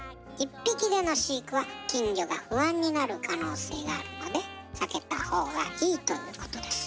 「１匹での飼育」は金魚が不安になる可能性があるので避けた方がいいということです。